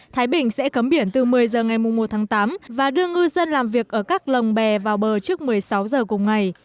thái bình sẽ cấm biển từ một mươi h ngày một tháng tám và đưa ngư dân làm việc ở các lồng bè vào bờ trước một mươi sáu h cùng ngày